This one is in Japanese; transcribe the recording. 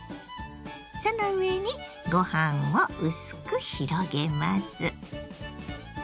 その上にご飯を薄く広げます。